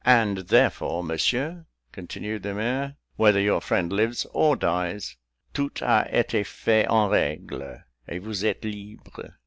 "And therefore, Monsieur," continued the mayor, "whether your friend lives or dies, tout a été fait en règle, et vous êtes libre."